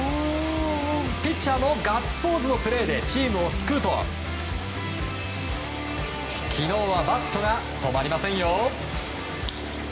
ピッチャーもガッツポーズのプレーでチームを救うと昨日はバットが止まりませんよ。